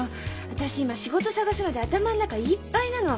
私今仕事探すので頭ん中いっぱいなの。